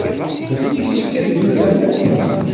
Yessefk ad iyi-tamnem.